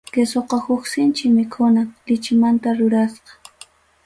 Quesoqa huk sinchi mikunam, lichimanta rurasqa.